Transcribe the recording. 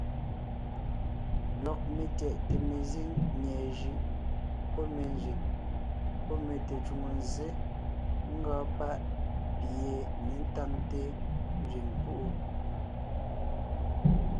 Lɔg metyɛʼte mezíŋ nyɛ̀ɛ jʉʼ, pɔ́ me nzẅìŋ, pɔ́ me tecwòŋo nzsé ngɔɔn páʼ pi yé ně táŋte nzẅìŋ púʼu.